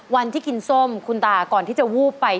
วันที่กินส้มคุณตาก่อนที่จะวูบไป